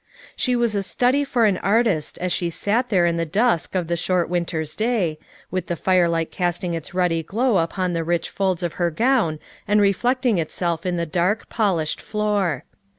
She was a study for an artist as she sat there in the dusk of the short winter's day, with the firelight casting its ruddy glow upon the rich folds of her gown and reflect ing itself in the dark, polished floor.